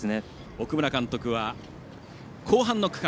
奥村監督は後半の区間